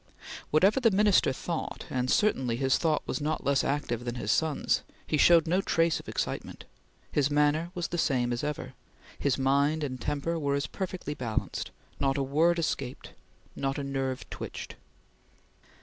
Whatever the Minister thought, and certainly his thought was not less active than his son's, he showed no trace of excitement. His manner was the same as ever; his mind and temper were as perfectly balanced; not a word escaped; not a nerve twitched.